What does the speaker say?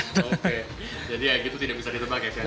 oke jadi ya gitu tidak bisa ditebak ya